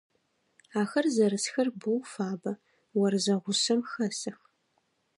Ахэр зэрысхэр боу фабэ, орзэ гъушъэм хэсых.